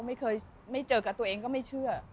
ไม่เคยไม่เจอกับตัวเองก็ไม่เชื่อ